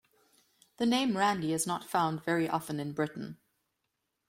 The name Randy is not found very often in Britain.